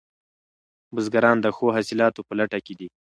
بزګران د ښو حاصلاتو په لټه کې دي.